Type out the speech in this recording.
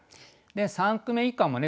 三句目以下もね